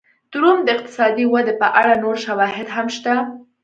د روم د اقتصادي ودې په اړه نور شواهد هم شته.